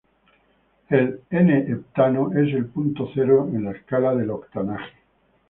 El n-heptano es el punto cero en la escala del octanaje.